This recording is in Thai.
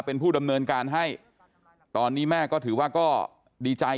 เป็นผู้ดำเนินการให้ตอนนี้แม่ก็ถือว่าก็ดีใจ